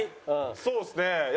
そうですねいや